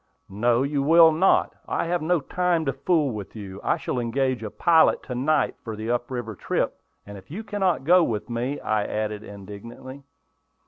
"No, you will not. I have no time to fool with you. I shall engage a pilot to night for the up river trip, if you cannot go with me," I added, indignantly.